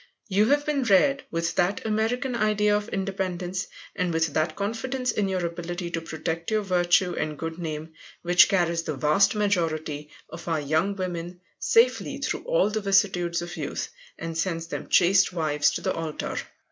You have been reared with that American idea of independence, and with that confidence in your ability to protect your virtue and good name, which carries the vast majority of our young women safely through all the vicissitudes of youth, and sends them chaste wives to the altar.